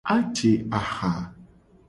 Aje aha.